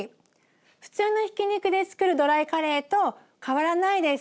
普通のひき肉でつくるドライカレーと変わらないです。